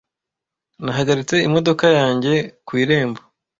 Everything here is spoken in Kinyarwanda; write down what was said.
Nahagaritse imodoka yanjye ku irembo.